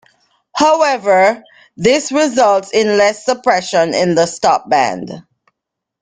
However, this results in less suppression in the stopband.